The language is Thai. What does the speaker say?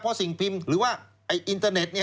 เพราะสิ่งพิมพ์หรือว่าอินเทอร์เน็ต